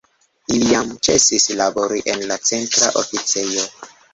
Ili jam ĉesis labori en la Centra Oficejo.